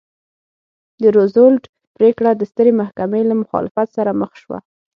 د روزولټ پرېکړه د سترې محکمې له مخالفت سره مخ شوه.